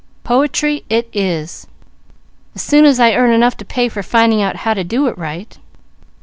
"Poetry it is, as soon as I earn enough to pay for finding out how to do it right."